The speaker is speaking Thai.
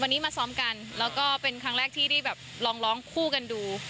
วันนี้มาซ้อมกันแล้วก็เป็นครั้งแรกที่ได้แบบลองร้องคู่กันดู